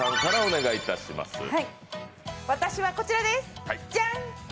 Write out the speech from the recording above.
私はこちらです、ジャン！